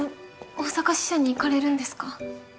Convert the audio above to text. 大阪支社にいかれるんですか？